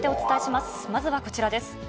まずはこちらです。